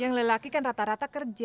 yang lelaki kan rata rata kerja